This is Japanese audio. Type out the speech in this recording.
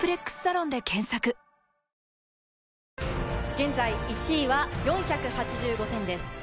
現在１位は４８５点です。